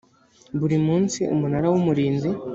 buri munsi umunara w umurinzi